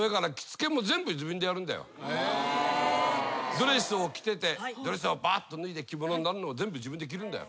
ドレスを着ててドレスをばっと脱いで着物になんのも全部自分で着るんだよ。